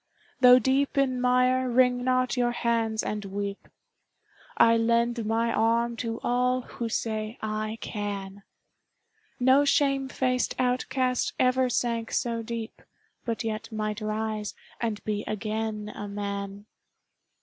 Though deep in mire, wring not your hands and weep; I lend my arm to all who say "I can!" No shame faced outcast ever sank so deep, But yet might rise and be again a man